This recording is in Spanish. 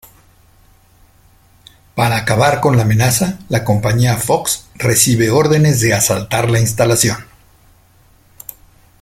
Para acabar con la amenaza, la compañía Fox recibe órdenes de asaltar la instalación.